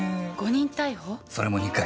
それも２回。